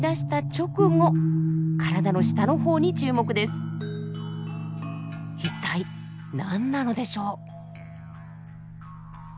一体何なのでしょう？